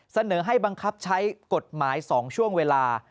เสนอให้บังคับใช้กฎหมาย๒ช่วงเวลา